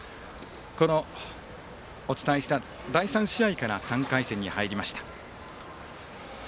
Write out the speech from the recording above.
このお伝えした第３試合から３回戦に入りました。